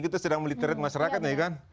kita sedang meliterate masyarakat nih kan